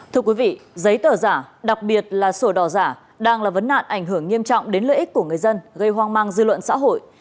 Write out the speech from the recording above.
thưa quý vị giấy tờ giả đặc biệt là sổ đỏ giả đang là vấn nạn ảnh hưởng nghiêm trọng đến lợi ích của người dân gây hoang mang dư luận xã hội